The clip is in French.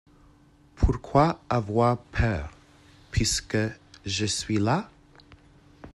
Pourquoi avoir peur puisque je suis là ?